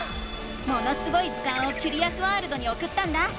「ものすごい図鑑」をキュリアスワールドにおくったんだ。